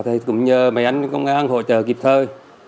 thầy cũng nhờ mấy anh công an hỗ trợ kịp thời